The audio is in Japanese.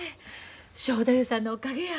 正太夫さんのおかげや。